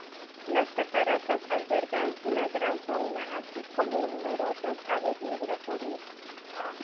Las cataratas albergan una gran fauna, así como numerosas aves migratorias.